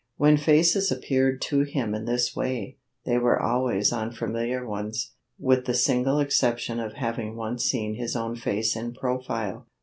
When faces appeared to him in this way, they were always unfamiliar ones, with the single exception of having once seen his own face in profile.